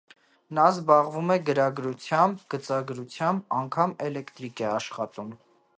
Նա զբաղվում է գրագրությամբ, գծագրությամբ, անգամ՝ էլեկտրիկ է աշխատում։